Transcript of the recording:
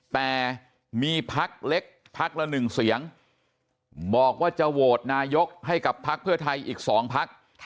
แต่มีพักเล็กพักละ๑เสียงบอกว่าจะโหวตนายกให้กับพักเพื่อไทยอีก๒พัก